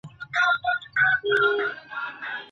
آیا په ډله ییزه توګه بحث کول پوهه زیاتوي؟